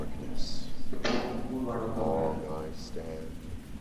اٿي سڪون واڙو ڪم هي.